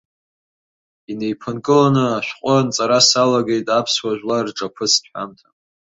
Инеиԥынкыланы ашәҟәы анҵара салагеит аԥсуа жәлар рҿаԥыц ҳәамҭа.